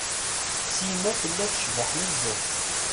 Sima tella tecbeḥ nezzeh.